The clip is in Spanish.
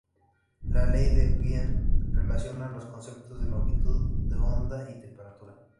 La ley de Wien relaciona los conceptos de longitud de onda y temperatura.